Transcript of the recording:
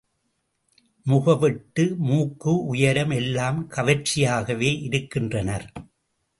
முக வெட்டு மூக்கு உயரம் எல்லாம் கவர்ச்சியாகவே இருக்கின்றனர்.